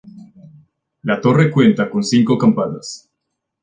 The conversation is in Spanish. La torre cuenta con cinco campanas.